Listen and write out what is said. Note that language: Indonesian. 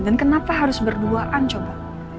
dan kenapa harus berduaan coba